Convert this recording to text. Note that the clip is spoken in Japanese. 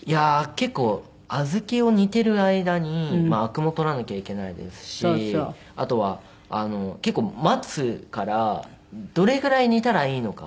結構小豆を煮てる間にアクも取らなきゃいけないですしあとは結構待つからどれぐらい煮たらいいのか。